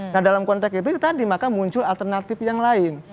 nah dalam konteks itu tadi maka muncul alternatif yang lain